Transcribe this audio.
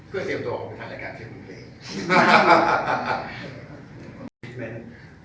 เพื่อเตรียมตัวของผมไปทำรายการเที่ยวกันเพลง